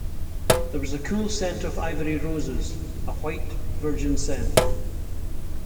There was a cool scent of ivory roses — a white, virgin scent.